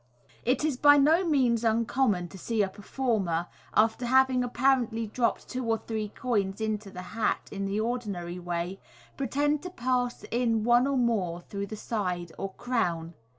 It is by no means uncommon to see a performer, after having apparently dropped two or three coins into the hat in the ordinary way, pretend to pass in one or more through the side or crown.